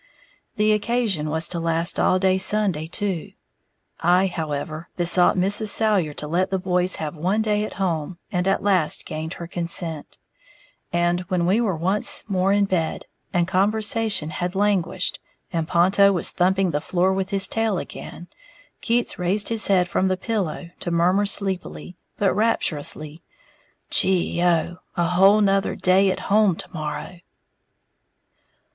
The occasion was to last all day Sunday, too. I, however, besought Mrs. Salyer to let the boys have one day at home, and at last gained her consent; and when we were once more in bed, and conversation had languished, and Ponto was thumping the floor with his tail again, Keats raised his head from the pillow to murmur, sleepily, but rapturously "Gee oh, a whole 'nother day at home to morrow!"